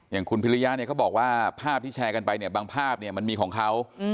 อย่างคุณพิริยะเนี่ยเขาบอกว่าภาพที่แชร์กันไปเนี่ยบางภาพเนี่ยมันมีของเขา